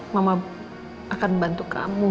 mama akan bantu kamu